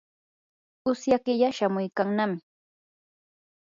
usya killa chamuykannami.